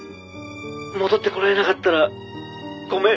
「戻ってこられなかったらごめん」